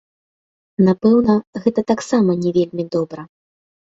Напэўна, гэта таксама не вельмі добра.